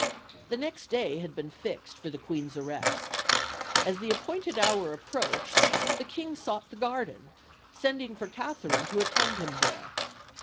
The next day had been fixed for the Queen's arrest. As the appointed hour approached the King sought the garden, sending for Katherine to attend him there.